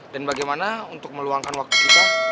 bagaimana untuk meluangkan waktu kita